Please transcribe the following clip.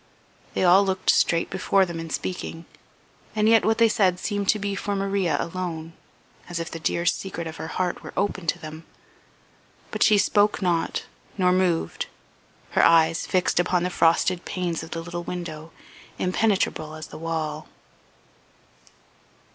They all looked straight before them in speaking, and yet what they said seemed to be for Maria alone, as if the dear secret of her heart were open to them. But she spoke not, nor moved, her eyes fixed upon the frosted panes of the little window, impenetrable as the wall.